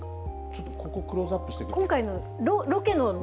ここクローズアップしてください。